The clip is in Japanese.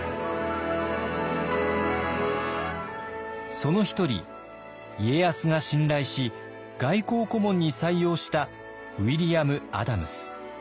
その一人家康が信頼し外交顧問に採用したウィリアム・アダムス。